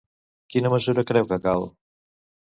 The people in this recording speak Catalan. Quina mesura creu que cal?